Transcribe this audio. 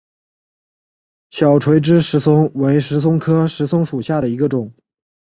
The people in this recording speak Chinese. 小垂枝石松为石松科石松属下的一个种。